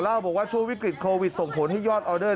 เล่าบอกว่าช่วงวิกฤตโควิดส่งผลให้ยอดออเดอร์